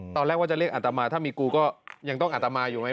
ตอนแรกว่าจะเรียกอัตมาถ้ามีกูก็ยังต้องอัตมาอยู่ไหม